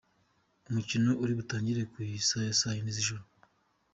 Umukino uri butangire ku isaha ya sa yine z’ijoro.